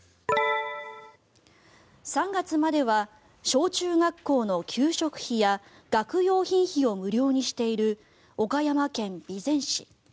３月までは小中学校の給食費や学用品費を無料にしている岡山県備前市。